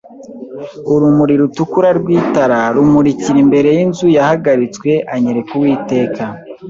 Urumuri rutukura rw'itara, rumurikira imbere yinzu yahagaritswe, anyereka Uwiteka